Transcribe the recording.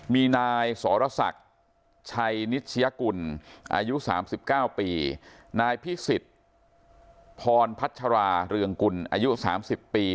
มีนายสรศักดิ์ชัยนิชยกุลอายุ๓๙ปีนายพิสิทธิ์พรพัชราเรืองกุลอายุ๓๐ปี